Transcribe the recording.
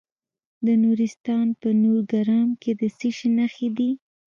د نورستان په نورګرام کې د څه شي نښې دي؟